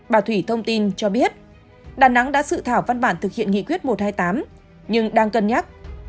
bà thủy thông tin cho biết đà nẵng đã dự thảo văn bản thực hiện nghị quyết một trăm hai mươi tám nhưng đang cân nhắc